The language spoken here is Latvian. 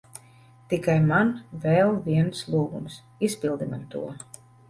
Tikai man vēl viens lūgums. Izpildi man to.